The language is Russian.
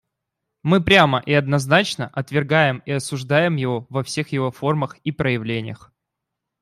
Мы прямо и однозначно отвергаем и осуждаем его во всех его формах и проявлениях.